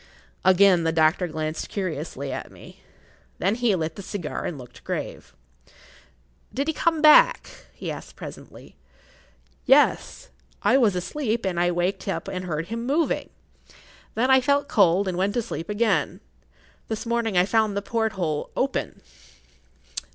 Again the doctor glanced curiously at me. Then he lit the cigar and looked grave. "Did he come back?" he asked presently. "Yes. I was asleep, but I waked up and heard him moving. Then I felt cold and went to sleep again. This morning I found the porthole open."